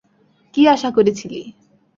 কী আশা করেছিলি?